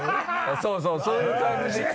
そうそうそういう感じで。